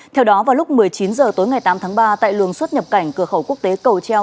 theo đó vào lúc một mươi chín h tối ngày tám tháng ba tại luồng xuất nhập cảnh cửa khẩu quốc tế cầu treo